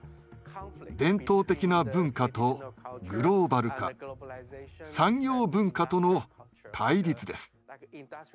伝統的な文化とグローバル化産業文化との対立です。